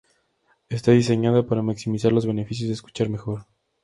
Está diseñada para maximizar los beneficios de escuchar mejor.